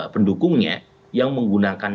pendukungnya yang menggunakan